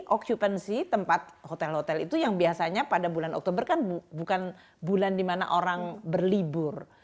occupancy tempat hotel hotel itu yang biasanya pada bulan oktober kan bukan bulan di mana orang berlibur